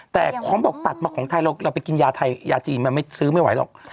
แต่ของบอกตัดมาของไทยเราไปกินยาไทยยาจีนมันไม่ซื้อไม่ไหวหรอก